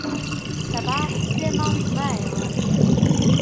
سەباح سێ مانگ مایەوە.